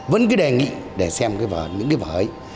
vẫn cứ đề nghị để xem những cái vở ấy